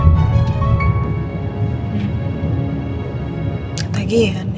takut lagi ya rendy